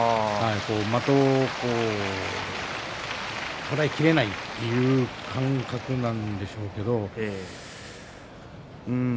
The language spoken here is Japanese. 的を捉えきれないという感覚なんでしょうけど。